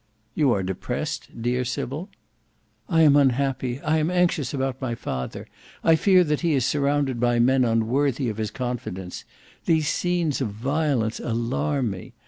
"You are depressed, dear Sybil?" "I am unhappy. I am anxious about my father. I fear that he is surrounded by men unworthy of his confidence. These scenes of violence alarm me.